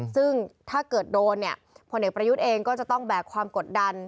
ซึ่งถ้าเกิดโดนเนี่ยพลเอกประยุทธ์เองก็จะต้องแบกความกดดัน